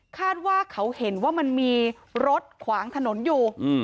คาดว่าเขาเห็นว่ามันมีรถขวางถนนอยู่